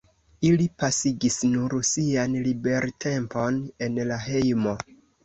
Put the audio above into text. Ili pasigis nur sian libertempon en la hejmo.